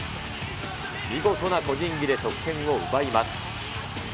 見事な個人技で得点を奪います。